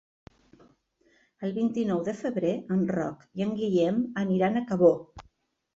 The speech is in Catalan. El vint-i-nou de febrer en Roc i en Guillem aniran a Cabó.